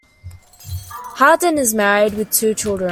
Hardin is married, with two children.